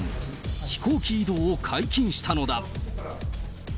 飛行機移動を解禁したのだ。